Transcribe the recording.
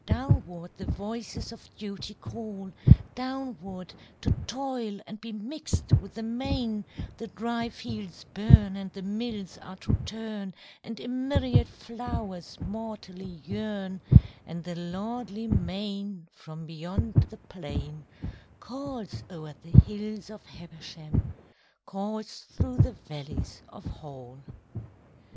Downward the voices of Duty call Downward, to toil and be mixed with the main, The dry fields burn, and the mills are to turn, And a myriad flowers mortally yearn, And the lordly main from beyond the plain Calls o'er the hills of Habersham, Calls through the valleys of Hall.